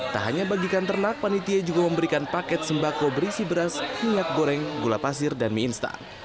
tak hanya bagikan ternak panitia juga memberikan paket sembako berisi beras minyak goreng gula pasir dan mie instan